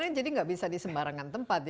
karena jadi gak bisa di sembarangan tempat ya